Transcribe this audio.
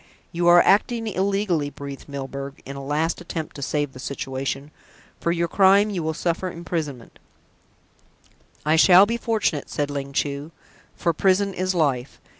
"You are acting illegally," breathed Milburgh, in a last attempt to save the situation. "For your crime you will suffer imprisonment" "I shall be fortunate," said Ling Chu; "for prison is life.